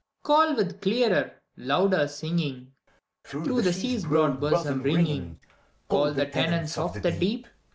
Call with clearer, louder singing. Through the Sea's broad bosom ringing, Call the tenants of the Deep!